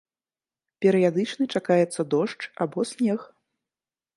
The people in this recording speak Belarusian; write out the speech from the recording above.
Перыядычны чакаецца дождж або снег.